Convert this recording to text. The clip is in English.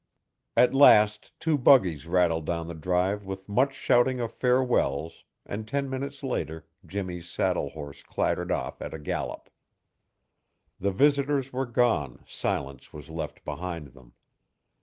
At last two buggies rattled down the drive with much shouting of farewells and ten minutes later Jimmy's saddle horse clattered off at a gallop. The visitors were gone silence was left behind them.